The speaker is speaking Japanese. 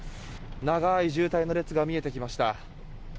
長い渋滞の列が見えてきました。